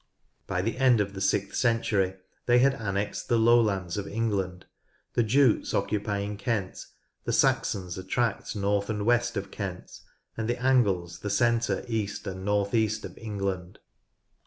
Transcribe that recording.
By the end of the sixth century they had annexed the low lands of England, the Jutes occupying Kent, the Saxons a tract north and west of Kent, and the Angles the centre, east, and north east of England.